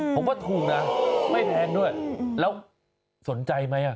ผมว่าถูกนะไม่แพงด้วยแล้วสนใจไหม